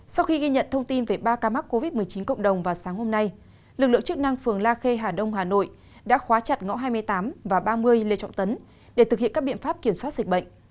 sau khi ghi nhận thông tin về ba ca mắc covid một mươi chín cộng đồng vào sáng hôm nay lực lượng chức năng phường la khê hà đông hà nội đã khóa chặt ngõ hai mươi tám và ba mươi lê trọng tấn để thực hiện các biện pháp kiểm soát dịch bệnh